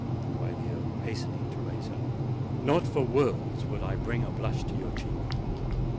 cried the Earl, hastening to raise her. "Not for worlds would I bring a blush to your cheek."